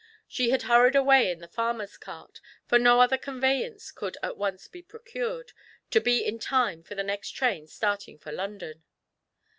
She had hurried away in the farmer's cart, for no other conveyance could at once be procured, to be in time for the next train starting for London.